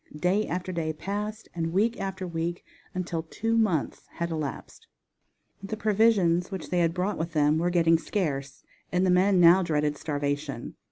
Day after day passed, and week after week until two months had elapsed. The provisions which they had brought with them were getting scarce, and the men now dreaded starvation.